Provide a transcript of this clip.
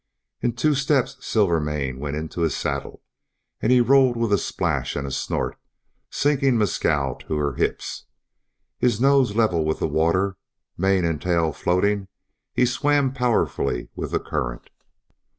In two steps Silvermane went in to his saddle, and he rolled with a splash and a snort, sinking Mescal to her hips. His nose level with the water, mane and tail floating, he swam powerfully with the current.